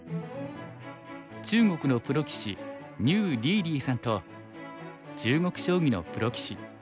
中国のプロ棋士牛力力さんと中国将棋のプロ棋士